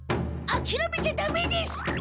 あきらめちゃダメです！